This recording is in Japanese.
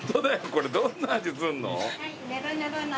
これどんな味すんの？